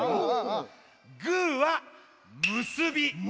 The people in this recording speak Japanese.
グーはむすび。